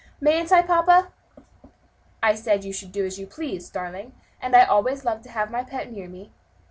Mayn't I, papa?" "I said you should do as you pleased, darling, and I always love to have my pet near me."